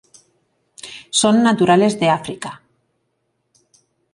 Son naturales de África.